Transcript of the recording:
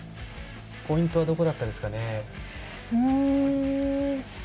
ポイントはどこだったですかね。